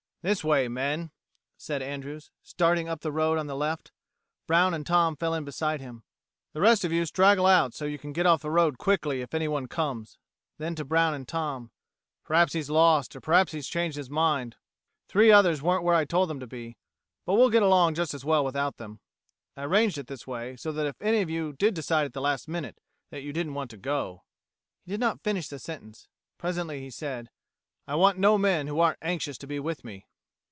"This way, men," said Andrews, starting up the road on the left. Brown and Tom fell in beside him. "The rest of you straggle out so that you can get off the road quickly if anyone comes." Then, to Brown and Tom: "Perhaps he's lost, or perhaps he's changed his mind. Three others weren't where I told them to be, but we'll get along just as well without them. I arranged it this way so that if any of you did decide at the last minute that you didn't want to go...." He did not finish the sentence. Presently he said: "I want no men who aren't anxious to be with me."